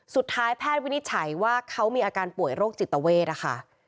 สุดท้ายแพทย์วินิจฉัยว่าเขามีอาการป่วยโรคจิตเวทนะคะ